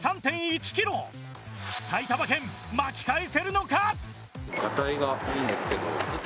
埼玉県巻き返せるのか？